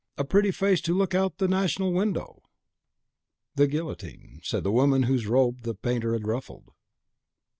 "A pretty face to look out of the National Window" (The Guillotine.), said the woman whose robe the painter had ruffled.